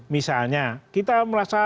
misalnya kita merasa